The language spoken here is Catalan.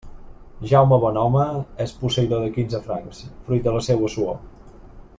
Jaume Bonhome és posseïdor de quinze francs, fruit de la seua suor.